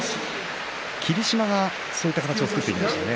霧島がそういった形を作っていましたね。